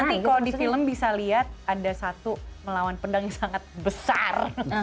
nanti kalau di film bisa lihat ada satu melawan pedang yang sangat besar